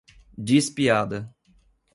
Diz piada